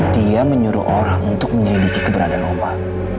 dia menyuruh orang untuk menyelidiki keberadaan obat